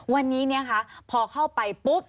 วันนี้พอเข้าไปปุ๊บ